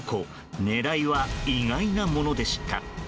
狙いは意外なものでした。